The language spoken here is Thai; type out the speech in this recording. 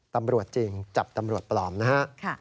ตำรวจจริงจับตำรวจปลอมนะฮะ